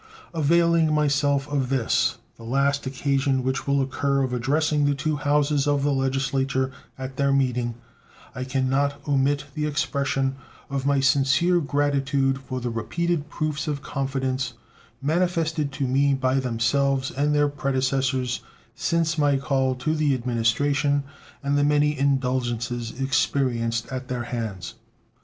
Availing myself of this the last occasion which will occur of addressing the two Houses of the Legislature at their meeting, I can not omit the expression of my sincere gratitude for the repeated proofs of confidence manifested to me by themselves and their predecessors since my call to the administration and the many indulgences experienced at their hands.